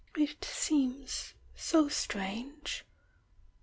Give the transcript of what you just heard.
— it seems so strange